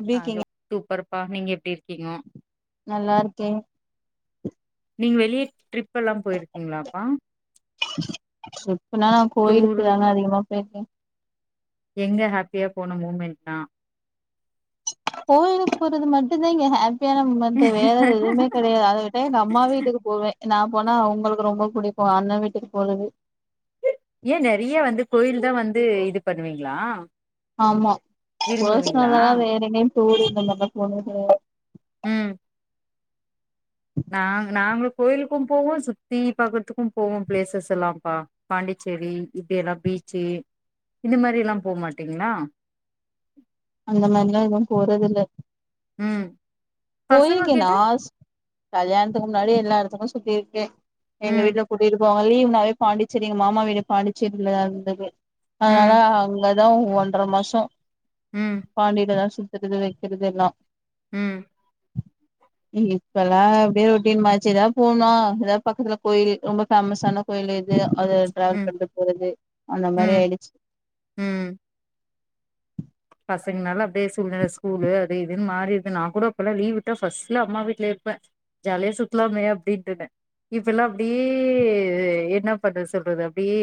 எப்டி ஆ லு இருக்கீங்க டூப்பர் பா நீங்க எப்டி இருக் நல்லா இருக்கே நீங்க வெளிய ட்ரிப் எல்லா போயிருக்கீங்களாப்பா இப்ப நா டூரு கோயிலுக்குதாங்க அதிகமா சேர் சேர் எங்க ஹேப்பியா போன மூமெண்ட்னா கோயிலுக்கு போறது மட்டுந்தா இங்க ஹேப் மத்தியானம் வந்த வேலைகள் எதுமே கெடையா அது விட்டா நா அம்மா வீட்டுக்கு போவே நா போனா அவுங்களுக்கு ரொம்ப புடிக்கு அண்ண வீட்டுக்கு போரது ஏ நெறைய வந்து கோயில்தா வந்து இது பண்ணுவீங்ளா ஆமா போஸ்னலா வேற எங்கயும் ஸ்டோரு இந்த மார்லா போனதுல்ல ம் நாங் நாங்களு கோயிலுக்கும் போவோ சுத்தி பக்குறத்துக்கும் போவோ பிளேசஸ் எல்லாம்ப்பா பாண்டிச்சேரி இப்டி எல்லா பீச்சு இந்த மாரி எல்லாம் போ மாட்டீங்களா அந்த மாதிரிலா எதுவும் போறது இல்ல ம் பசங்க போயிருக்கே கிட்ட நாஸ் கல்யாணத்துக்கு முன்னாடி எல்லா இருக் தெனோ சுத்தி இருக்கேன் எங்க ம் வீட்ல குடியிருக்கோம் வலி உன்னாவே பாண்டிச்சேரி எங்க மாமா வீடு பாண்டிச்சேரிலதா இருந்தது ம் அதனால அங்க லவுங் ஒன்றர மாசம் ம் பாண்டிலதா சுத் தறது வைக்கிறது எல்லாம் ம் இங் இப்பல்லாம் அப்டே ரொட்டின் மாச்சிதான் போனோம் எதா பக்கத்துல கோயில் ரொம்ப ஃபேமஸான கோயிலு இது அது ட்ராவல் ம் பண்ட்டு போறது அந்த மாரி ம் ஆயிடுச்சி ம் பசங்கனால அப்டே சூழ்நெல ஸ்கூல்லு அது இதுன்னு மாறிருது நான் கூட அப்பல்லா லீவ் விட்டா ஃபர்ஸ்ட்ல அம்மா வீட்ல இருப்பே ஜாலியா சுத்தலாமே அப்படின்ட்டுனு இப்ப எல்லாம் அப்டியே என்ன பண்றது சொல்றது அப்டியே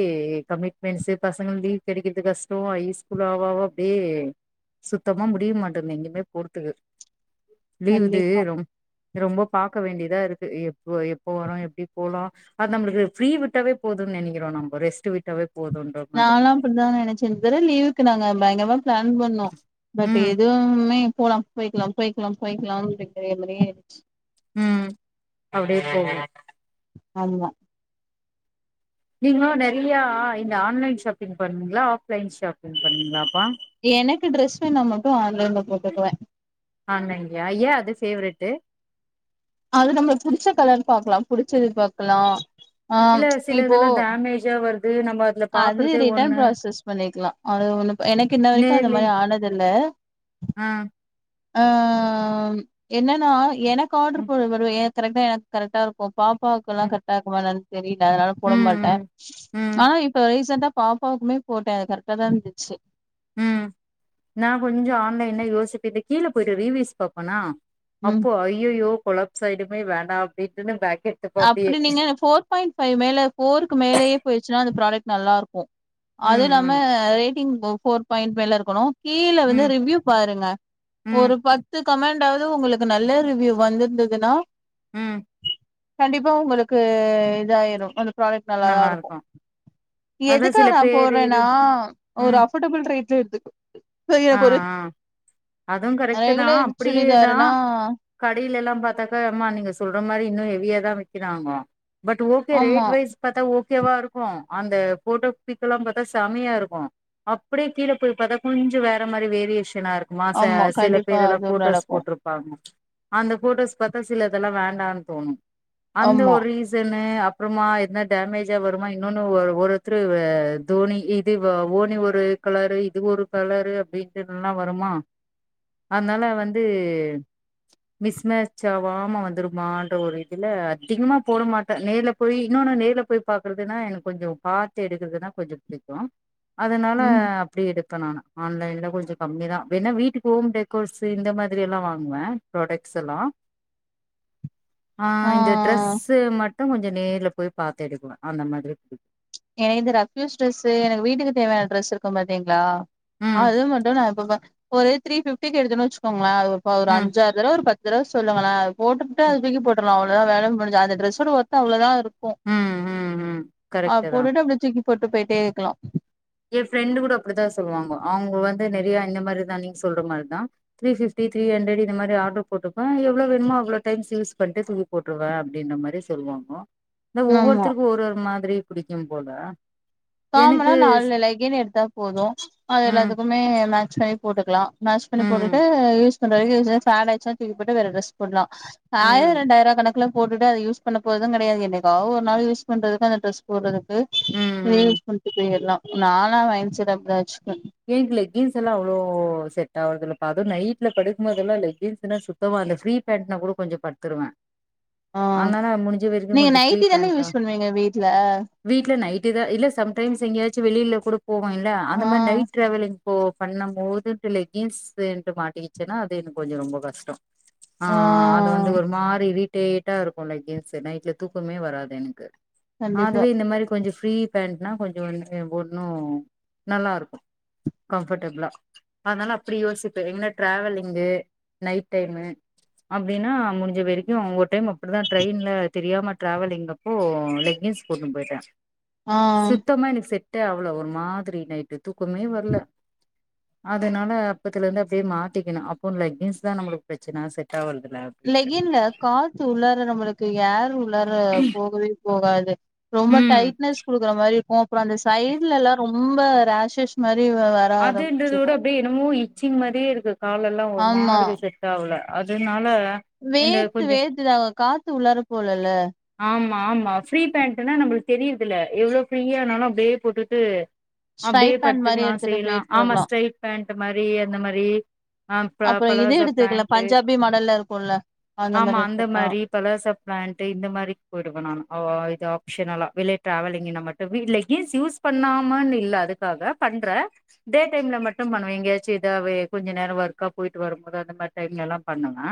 கமிட்மெண்ட்ஸு பசங்க லீவ் கெடைக்கிறது கஷ்டம் ஐ ஸ்கூல் ஆவ ஆவ அப்டே சுத்தமா முடியமான்ட்டது எங்கயுமே போறுத்துக்கு லீவு இது கண்டிப்பா ரொம் ரொம்ப பாக்க வேண்டிதா இருக்கு எப்போ எப்போ வரும் எப்டி போலாம் அது நம்மளுக்கு ஃப்ரீ விட்டாவே போதுன் நெனைக்கிறோம் நம்ப ரெஸ்ட்டு விட்டாவே போதுன்ற மாதிரி நாலாம் அப்டிதா நெனைச்சேன் இந்த தடவ லீவுக்கு நாங்க பயங்கறமா பிளான் பண்ணோம் பட் ம் எதுவுமே போலாம் போய்கிலாம் போய்க்கிலாம் போய்கிலாம் ஓடிட்டேங்கிற மாரே ஆயிடுச்சி ம் அப்டே போகும் ஆமா நீங்களா நெறையா இந்த ஆன்லைன் ஷாப்பிங் பண்ணுவிங்களா ஆஃப்லைன் ஷாப்பிங் பண்ணுவிங்களா எனக்கு ட்ரெஸ் வேணா மட்டும் ஆன்லைன்ல போட்டுக்குவேன் ஆன்லைன்லியா ஏன் அது பேவரெட்டு அது நம்மளுக்கு புடிச்ச கலர் பாக்கலாம் புடிச்சது பாக்கலாம் இல்ல சில இதெல்லாம் டேமேஜா வரு அது ரிட்டன் ப்ராசஸ் பண்ணிக்கலாம் அது ஒன்னும் பி எனக்கு இன்ன வரைக்கும் அந்த நேர்லே மாரி ஆனதில்ல ஆ ஆ என்னன்னா எனக்கு ம் ஆர்டர் போட வருவ என் கரெட்டா எனக் கரெட்டா இருக்கும் பாப்பாவுக்குல்லாம் ம் கரெட்டா இருக்குமா? என்னான் தெரி ல அதனால போடமாட்டே ம் ம் ம் ஆனா இப் ரீசென்டா பாப்பாவுக்மே போட்ட கரெக்டாதா இருந்துச்சு ம் நா‌ கொஞ்சோ ஆன்லைன்ல யோசிப்பட்டு கீழ போயிட்டு ரீவைஸ் பாப்பனா ம் அப்போ ஐயையோ கொழப்ஸ் ஆய்டுமே வேண்டா அப்டின்டுமே [unintelligible] அப்டி நீங்க ஃபோர் பாயிண்ட் ஃபைவ் மேல ஃபோருக்கு மேலயே போயிச்சுன்னா அந்த பிராடெக்ட் நல்லாருக்கு அது ம் நம்ம ம் ரேட் ஃபோர் பாயிண்ட் மேல இருக்கணு கீழ வந்து ம் ரிவ்யூ பாருங்க ம் ஒரு பத்து கமெண்ட்டாவது உங்களுக்கு நல்ல ரிவ்யூ வந்துருந்துனா ம் கண்டிப்பா உங்களுக்கு இதாயிரு அது பிராடெக்ட் நல்லாதா இருக்கு அதா எதுக்காக சில நா பேரு இது போறன்னா ஒரு ம் அபோர்டபுள் ரேட்டு து ஆ ஆ அதுவும் கரெக்ட்டுதா ரெகுலர் அப்புடியேதா சுடிதாருன்னா கடைலெல்லாம் பாத்தாக்கா எம்மா நீங்க சொல்ற மாரி இன்னு ஹெவியா தா விக்கிறாங்கோ பட் ஓகே ஆமா ரேட் வைஸ் பாத்தா ஓக் ஓகே வா இருக்கு அந்த போட்டோ பிட்டெல்லா பாத்தா செமயா இருக்கு அப்புடியே கீழ போய் பாத்தா கொஞ்சோ வேற் ற மாரி வேரியேஷன் த்துனா இருக்குமா ச ஆமா சில கண்டிப்பா பேர்லா அது போட்டோஸ் நடக்கு போட்ருப்பாங்க அந்த போட்டோஸ் பாத்தா சில தெல்லா வேண்டான் தோணு அந்த ஆமா ஒரு ரீசன் னு அப்புறமா என்னா டேமஜா வருமா இன்னொன்னு ஒர் ஒருத்துரு தோனி இது ஓனி ஒரு கலரு இது ஒரு கலரு வீட்டுக்கெல்லா வருமா அதனால வந்து மிஸ்மேச் ஆவாம வந்துருமான்ற ஒரு இதுல அதிகமா போட மாட்ட நேர்ல போய் இன்னொன்னு நேர்ல போய் பாக்குறதுன்னா எனக்கு கொஞ்சோ பாத்து எடுக்குறதுனா கொஞ்சோ புடிக்கு அதனால ம் அப்டி எடுக் எடுப்ப ஆன்லைன்ல கொஞ்சோ கம்மிதா வேணா வீட்டுக்கு ஹோம் டெக்கோர்ஸ்ஸு இந்த மாதிரி எல்லா வாங்குவ புராடெக்ட்ஸ் எல்லா ஆ இந்த டிரெஸ்ஸு மட் டு கொஞ்சோ நேர்ல போய் பாத்து எடுக்குவ அந்த மாதிரி எனக்கு இந்த ரஃப்யூஸ் டிரெஸ்ஸு எனக்கு வீட்டுக்கு தேவையான டிரெஸ்ஸு இருக்கு பாத்தீங்களா ம் அது மட்டு நா இப்ப ப ஒரு த்ரீ பிஃப்டிக்கு எடுத்தன்னு வெச்சுக்கோங் கலே அது ப ஒரு ம் அஞ்சாறு தடவ ஒரு பத் ஒரு தட சொல்லுங்கள போட்டுபுட்டு ம் அது தூக்கி போட்ருலா அ தா வேல முடிஞ்சா அந்த ட்ரெஸ் ஒட ஒர்த் அவ்ளோதா இருக் ம் ம்ம் கரெக் போட்டு அப்பிடே தூக் கி போட்டு போயிட்டே இருக்கலா த் நெறையா இந்த மாரிதா நீ சொல்ற மாரிதா திரி ஃபிப்டி த்ரீ ஹண்ட்ரட் இந்த மாரி ஆடர் போட்டுப்பே எவ்ளோ வேனுமோ டைம்ஸ் யூஸ் பண்ட்டு தூக்கி போட்டுருவே அப்பிடின்ற மாரி சொல்லுவாங்கோ இந்த ஆமா ஒவ்வொருத்தருக்கு ஒரு ஒரு மாரி திரி புடிக்கு போல காமனா எனக்கு நாலு நிலை கி எடுத்தா போது அது ம் எல்லாத்துக்குமே எல்லாச்சாயு போட்டுக்ல்லா மேஷ் பண்ணி போட்டுட்டு ம் யூஸ் [unintelligible] ஆச்சினா தூக்கி போட்டு வேற ட்ரெஸ் போண்ணலா ஆயிர ம் ரெண்டாயிரவ கணக் ல்லா போட்டுட்டு அத யூஸ் பண்ண போறது கெடையாது என்னைக்கோ ஒரு நாள் யூ பண்றதுக்கு அந்த ட்ரஸ் போடுறது ம் ஆஹ ம் நீஸ் குன்ட்டு போய்ர்ல்லா நாலா மைன் செட் அப்பிடிதா வச்சிருந் விண்டு லெக்கின்ஸ் எல்லா அவ்வளோ செட் ஆவுறதல்லபா அது நைட்ல படுக்குபோதெல்லா லெக்கின்ஸ்ன சுத்தமா அந்த ஃப்ரீ பேண்ட்னா கூட கொஞ்சோ படுத்துருவே ஆ ஆனால நா முடிஞ்ச வரிக்கு நீங்க கொஞ்சோ ஃப்ரீ நைட்டி தானே பேண்டா யூஸ் பண்ணுவீங்க வீட்ல வீடல நைட்டி தா இல்ல சம்டைம்ஸ் எங்கியாச் த்து வெளியில கொடு போவ இல்ல ஆ அந்த மாரி நைட் ட்ராவலிங் இப்போ பண்ணம் போதுன்ட்டு லெக்கின்ஸ்ட்டு மாட்டிச்கிச்சன்னா அது எனக்கு கொஞ்சம ரொம்ப கஷ்டோ ஆ அது வந்து ஒரு மாரி வீட் டேட்டா இருக்கு லைக் கேன்ஸ் நைட்ல தூக்கமே வராது எனக்கு கண்டிப்பா அதுவே இந்த மாரி கொஞ்சோ ஃப்ரீ பேண்ட்னா கொஞ்சோ வந்து ஒன்னு நல்லா இருக்கு கம்ஃபர்ட்டபிளா அனால அப்பிடி யோசிப்பே எங்கன்னா டிராவிலிங்கு நைட் டைமு அப்பிடின்னா முடிஞ்ச வரைக்கு ஒரு டைம் அப்பிடிதா ட்ரெயின்ல தெரியாம டிராவலிங்க் அப்போ லெக்கின்ஸ் போட்டுனு போயிட்டே ஆ சித்தமா எனக்கு செ ட்டு அவ்வளவு ஒரு மாதிரி நைட்டு தூ க்குமே வரல அதனால இப்பத்துலந்து அப்டி மாட்டிக்கணு அப்போ லக்கின்ஸ் தா நமக்கு பிரச்சன செட் ஆகல லெக்கின்னு காத்து உள்ளற நம்மளுக்கு யேரு உள்ளற போகவே போகாது ரொம்ப ம் டைட்னஸ் கொடுக்குற மாரி இருக்கு அப்புறோ அந்த சைட்லல்லா ரொம்ப ராஷஸ் மாரி ரி வர ஆரம்பிச்சிரு ச்சிங் மாரியே இருக்கு கால எல்லா ஒரு ஆமா மாதிரி செட் ஆவல அதனால இந்த வேர்த்து கொஞ்சோ வேத்ததாக காத்து உளார போலல ஆமா ஆமா ஃப்ரீ பேண்ட்னா நம்மளுக்கு தெரியுதுல எவ்வளோ ஃப்ரீய ஆனாலு அப்டியே போட்டுட்டு ஸ்ட்ரைட் பேன் மாதிரி இருக்கு லா ஆமா சிஸ்டர் ஸ்ட்ரெய்ட் பேன்ட் மாரி அந்த மாரி ஆ ம் அப்புற இது பளாஜோ எடுத்துக்கலா பேன்ட் பஞ்சாபி மாடல்ல இருக்குல்ல ஆமா மாரி அந்த எடுத்துக்கலா மாரி பளாஜோ பேன்ட் இந்த மாரி போட்டுக்கலா அவோ அது ஷ்னலா வெளிய ட்ராவலிங்கன்ன மட்டு லெக்கின்ஸ் யூஸ் பண்ணாமனுுல்ல அதுக்காக பண்ற டே டைம்ல மட்டு பண்ணுவ எங்கயாச்சு இதாவே கொஞ்ச நேரோ ஒர்கா போய்ட்டு வரும்போது அந்த மாரி டைம்ல லா பண்ணுவ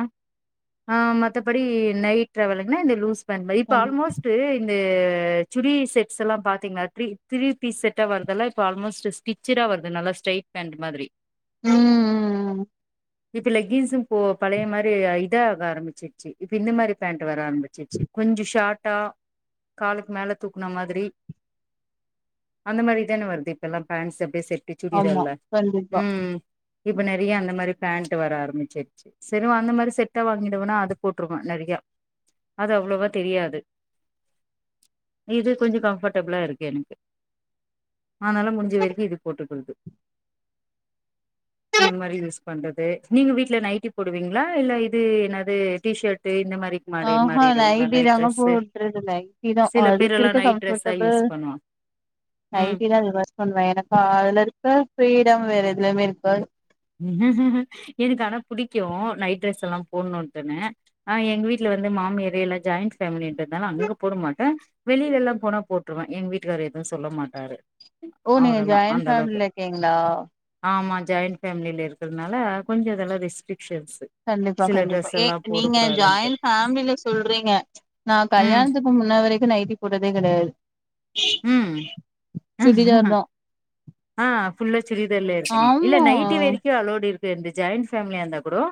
ஆ மத்தபடி நைட் ட்ராவல்குனா இந்த லூஸ் அது மாரி இப்ப கண் ஆல்மோஸ்ட் இந்த ஆ சுரி செட்ஸ்ல்லா பாத்தீன்னா த்ரி திரீ பீஸ் செட் வருதெல்லா இப்ப ஆல்மோஸ்ட் ஸ்டிச் ஸ்ட்ரைட்டா வருது நல்ல ஸ்ட்ரைட்பேன்ட் மாரி ம் ம் ம் இப்ப லெக்கின்ஸும் போ பழைய மாரி இத ஆக ஆரம்பிச்சிருச்சு இப்ப இந்த மாதிரி பேண்ட் வர ஆரம்பிச்சிருச்சு கொஞ்சோ ஷார்ட்டா காலுக்கு மேல தூக்குன மாதிரி அந்த மாதிரிதானே வருது இப்ப எல்லா பேண்ட்ஸ் பே சரி ஆமா கண்டிப்பா இப்ப நிறைய அந்த மாதிரி பேண்ட் வர ஆரம்பிச்சிருடுச்சு சரி அந்த மாதிரி செட்டா வாங்கடுவேனா அது போட்டுருவே நிறையு அது அவ்வளோவா தெரியாது இது கொஞ்சோ கம்ஃபர்டபிளா இருக்கு எனக்கு அதனால முடிஞ்ச வரைக்கு இது போட்டுக் குர்து இந்த மாரி யூஸ் பண்றது நீங்க வீட்ல நைட்டி போடுவீங்களா இல்ல இது என்னது டீ ஷர்ட்டு இந்த மாரி மாறி ஆஹஹா மாறிடுவீங்களா நைட்டி நைட் தாங்க ட்ரெஸ்ஸு போடுறது நைட்டி தா சில அதுக்கு பேரெல்லா இருக்க நைட் ட்ரெஸ்ஸா கம்ஃபர்ட்டபிள் யூஸ் பண்ணுவா ம் நைட்டிதா ரிவர்ஸ் பண்ணுவே எனக்கு அதுலருக் க்க ஃப்ரீடம் வேற எதுலயுமே இருக்காது எனக்கு ஆனா புடிக்கு நைட் ட்ரெஸ் எல்லா போடணும்ன்னே ஆ எங்க வீட்டுல வந்து மாமியாரு எல்லா ஜாயின்ட் ஃபேமிலின்றது அதானா நீங்க போடமாட்டே வெளியில எல்லா போனா போட்டுருவே எங்க வீட்டுக்காரு எதுவு சொல்ல மாட்டாரு ஓ நீங்க அவரெல்லா ஜாயின் அந்த ஃபேமில இருக்கீங்களா ஜாயின் ஃபேமில இருக்கறதுனால கொஞ்சோ இதெல்லாம் ரிஸ்க் கண்டிப்பா கண்டிப்பா ஏ நீங்க போடக்கூடாதுன்ட்டு ஜாயிண்ட் ஃபேமில சொல்றீங்க நான் ம் கல்யாணத்துக்கு முன்ன வரைக்கும் நைட்டி போட்டதே கெடையாது ம் சுடிதார் தா ஆ ஃபுல்லா சுடிதார்லே இருக்கணும் இல்ல நைட்டி ஆமா வெரைக்கும் அலோடு இருக் து இந்த ஜாயிண்ட் ஃபேமிலியா இருந்த கூடம்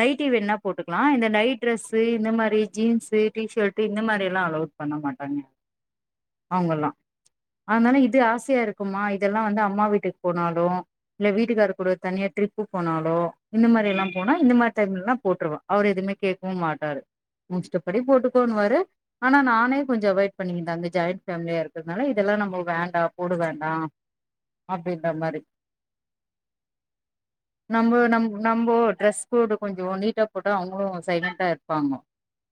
நைட்டி வேனுனா போட்டுக்கலாம் இந்த நைட் டிரெஸு இந்த மாரி ஜீன்ஸ்ஸு டி ஷட்டு இந்த மாரி எல்லாம் அலௌட் பண்ண மாட்டாங்க அவுங்கல்லாம் அதனால இது ஆசையா இருக்குமா இதெல்லாம் வந்து அம்மா வீட்டுக்கு போனாலும் இல்ல வீட்டுக்காரு கூட தனியா ட்ரிப்பு போனாலோ இந்த மாரி எல்லாம் போனா இந்த மாரி டைம்லலாம் போட்டுருவ அவரு எதுமே கேக்கவும் மாட்டாரு உன் இஷ்ட்டபடி போட்டுக்கோன்னுவாரு ஆனா நானே கொஞ்சம் அவாய்ட் பண்ணிக்கிட்டேன் அந்த ஜாயிண்ட் ஃபேமிலியா இருக் கிறதுனால இதெல்லாம் நம்ம வேண்டாம் போட வேண்டாம் அப்டின்ற மாரி நம்ப நம் நம்போ டிரெஸ் கோடு கொஞ்சம் நீட்டா போட்டா அவுங்களும் சைலண்ட்டா இருப்பாங்க